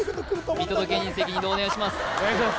見届け人席に移動お願いします